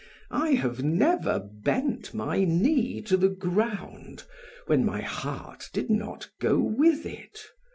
I have never bent my knee to the ground when my heart did not go with it.